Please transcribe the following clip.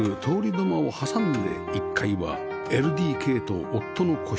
土間を挟んで１階は ＬＤＫ と夫の個室